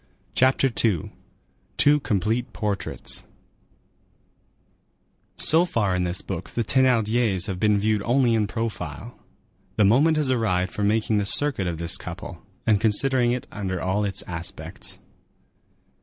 CHAPTER II—TWO COMPLETE PORTRAITS So far in this book the Thénardiers have been viewed only in profile; the moment has arrived for making the circuit of this couple, and considering it under all its aspects.